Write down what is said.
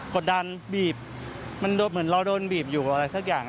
กดดันบีบมันเหมือนเราโดนบีบอยู่อะไรสักอย่าง